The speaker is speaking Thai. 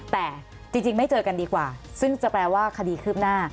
แต่จริงไม่เจอกันดีกว่าซึ่งจะแปลว่าคดีคืบหน้า